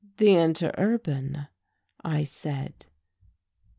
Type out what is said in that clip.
"The Interurban," I said.